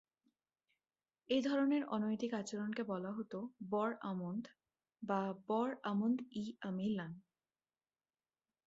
এ ধরণের অনৈতিক আচরণকে বলা হতো বর-আমন্দ বা বর-আমন্দ-ই-আমিলান।